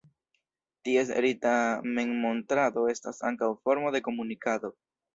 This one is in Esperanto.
Ties rita memmontrado estas ankaŭ formo de komunikado.